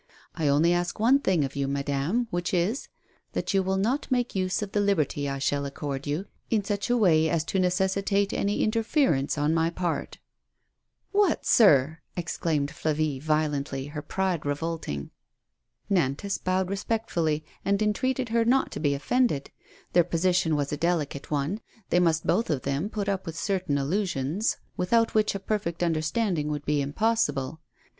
I only ask one thing of you, madame, which is, that you will not make use of the liberty I shall accord you in such a way as to necessitate any interference on my part." "What, sir I " exclaimed Fla vie, violently, her pride revolting. Nantas bowed respectfully, and entreated her not to be offended. Their position was a delicate one ; they must both of them put up with certain allusions, without which a perfect understanding would be impossible.